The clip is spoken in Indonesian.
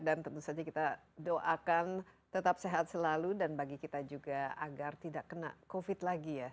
dan tentu saja kita doakan tetap sehat selalu dan bagi kita juga agar tidak kena covid lagi ya